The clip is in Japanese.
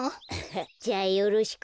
じゃあよろしく。